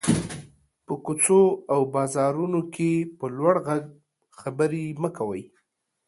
په کوڅو او بازارونو کې په لوړ غږ خبري مه کوٸ.